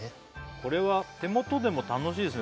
これは手元でも楽しいですね